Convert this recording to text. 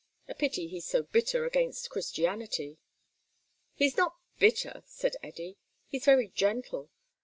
A pity he's so bitter against Christianity." "He's not bitter," said Eddy. "He's very gentle.